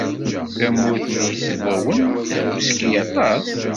Tamurt n Yizwawen tehhuski aṭas.